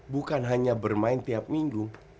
bukan hanya bermain tiap minggu